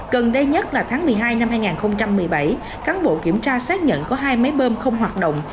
gần đây nhất là tháng một mươi hai năm hai nghìn một mươi bảy cán bộ kiểm tra xác nhận có hai máy bơm không hoạt động